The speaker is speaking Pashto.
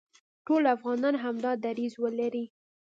ټول افغانان همدا دریځ ولري،